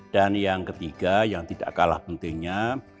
dan yang ketiga yang tidak kalah pentingnya